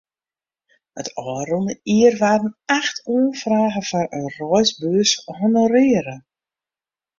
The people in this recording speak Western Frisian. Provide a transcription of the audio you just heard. It ôfrûne jier waarden acht oanfragen foar in reisbeurs honorearre.